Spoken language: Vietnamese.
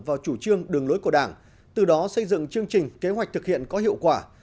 vào chủ trương đường lối của đảng từ đó xây dựng chương trình kế hoạch thực hiện có hiệu quả